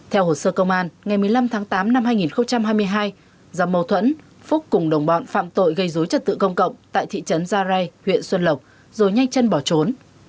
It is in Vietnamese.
theo hồ sơ công an ngày một mươi năm tháng tám năm hai nghìn hai mươi hai do mâu thuẫn phúc cùng đồng bọn phạm tội gây dối trật tự công cộng tại thị trấn gia rai huyện xuân lộc rồi nhanh chân bỏ trốn